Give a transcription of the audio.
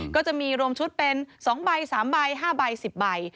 ก็จะมีรวมชุดเป็น๒ใบ๓ใบ๕ใบ๑๐ใบ